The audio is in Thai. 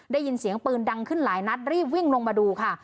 ได้ยินเสียงปืนดังขึ้นหลายนัดรีบวิ่งลงมาดูค่ะ